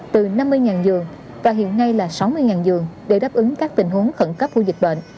từ năm mươi giường và hiện nay là sáu mươi giường để đáp ứng các tình huống khẩn cấp của dịch bệnh